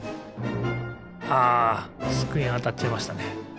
あつくえにあたっちゃいましたね。